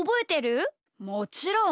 もちろん！